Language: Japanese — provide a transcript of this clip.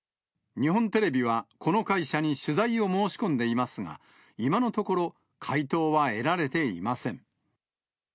日本テレビはこの会社に取材を申し込んでいますが、今のところ、回答は得られていません。